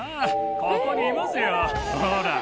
ここにいますよほら。